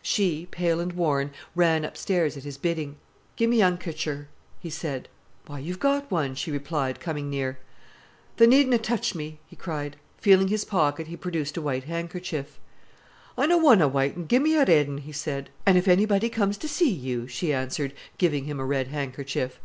She, pale and worn, ran upstairs at his bidding. "Gi'e me a han'kercher," he said. "Why, you've got one," she replied, coming near. "Tha nedna touch me," he cried. Feeling his pocket, he produced a white handkerchief. "I non want a white un, gi'e me a red un," he said. "An' if anybody comes to see you," she answered, giving him a red handkerchief.